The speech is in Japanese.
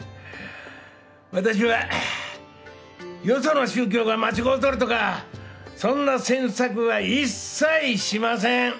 私はよその宗教が間違うとるとかそんな詮索は一切しません。